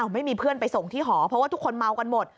ไม่มีเพื่อนไปส่งที่หอเพราะว่าทุกคนเมากันหมด